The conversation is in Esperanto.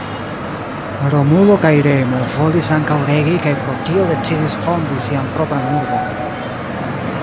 Romulo kaj Remo volis ankaŭ regi kaj pro tio decidis fondi sian propran urbon.